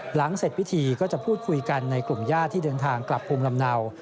หลังเสร็จพิธีก็จะพูดคุยกันในกลุ่มญาติที่เดินทางกลับภูมิลำเนา